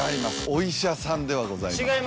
お医者さんではございません。